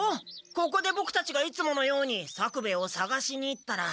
ここでボクたちがいつものように作兵衛をさがしに行ったら。